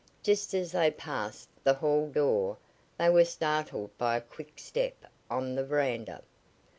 Just as they passed the hall door they were startled by a quick step on the veranda.